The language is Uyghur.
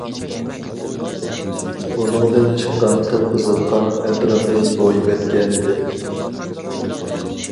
ئۇنىڭدىن چىققان قىپقىزىل قان ئەتراپنى بويىۋەتكەنىدى.